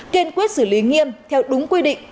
kênh quyết xử lý nghiêm theo đúng quy định